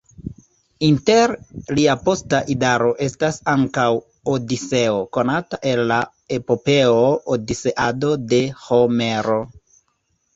Inter lia posta idaro estas ankaŭ Odiseo, konata el la epopeo Odiseado de Homero.